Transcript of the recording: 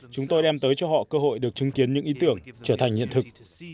chúng tôi đem tới cho họ cơ hội được chứng kiến những ý tưởng trở thành hiện thực